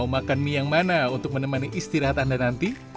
mau makan mie yang mana untuk menemani istirahat anda nanti